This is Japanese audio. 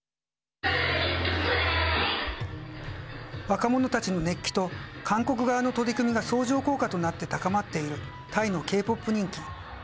若者たちの熱気と韓国側の取り組みが相乗効果となって高まっているタイのＫ‐ＰＯＰ人気。